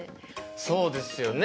そうですよね。